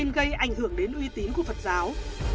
đăng tải thông tin gây ảnh hưởng đến uy tín của phật giáo